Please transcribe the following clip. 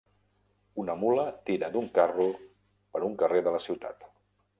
Una mula tira d'un carro per un carrer de la ciutat.